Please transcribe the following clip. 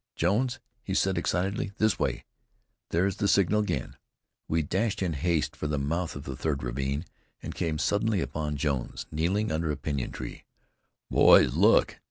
"Jones," he said excitedly, "this way there's the signal again." We dashed in haste for the mouth of the third ravine, and came suddenly upon Jones, kneeling under a pinyon tree. "Boys, look!"